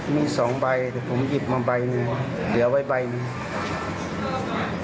มี๒ใบแต่ผมหยิบมาใบหนึ่งเดี๋ยวไว้ใบหนึ่ง